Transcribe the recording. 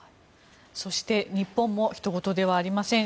そして日本も他人事ではありません。